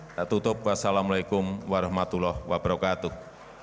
kita tutup wassalamu'alaikum warahmatullahi wabarakatuh